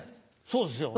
そうですよ。